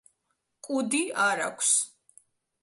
კუდი არ აქვს.